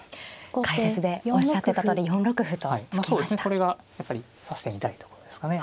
これがやっぱり指してみたいとこですかね。